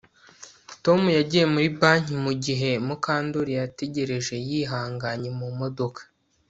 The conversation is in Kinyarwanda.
Tom yagiye muri banki mugihe Mukandoli yategereje yihanganye mumodoka